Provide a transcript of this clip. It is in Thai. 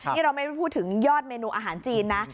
นี่เราไม่พูดถึงยอดเมนูอาหารจีนนะ